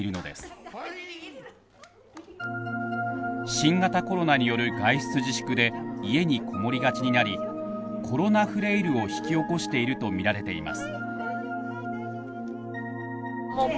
新型コロナによる外出自粛で家にこもりがちになり「コロナフレイル」を引き起こしているとみられています。